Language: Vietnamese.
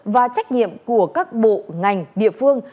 và trách nhiệm của các bộ ngành địa phương